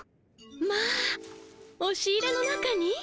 まあおし入れの中に？